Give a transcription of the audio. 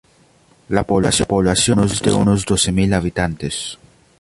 La población es de unos doce mil habitantes.